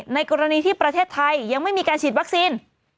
ในกรณีที่ประเทศไทยยังไม่มีการฉีดวัคซีน